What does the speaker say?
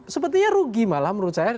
sepertinya rugi malah menurut saya